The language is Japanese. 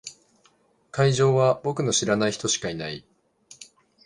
会場は僕の知らない人しかいない。